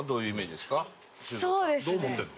どう思ってるの？